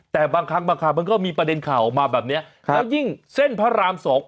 แต่บางครั้งบางคราวมันก็มีประเด็นข่าวออกมาแบบนี้แล้วยิ่งเส้นพระรามสอง